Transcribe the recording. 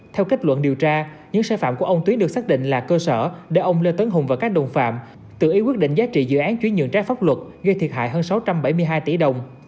theo kết luận điều tra những sai phạm của ông tuyến được xác định là cơ sở để ông lê tấn hùng và các đồng phạm tự ý quyết định giá trị dự án chuyển nhượng trái pháp luật gây thiệt hại hơn sáu trăm bảy mươi hai tỷ đồng